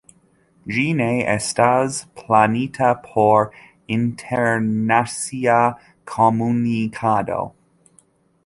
Ĝi ne estas planita por internacia komunikado.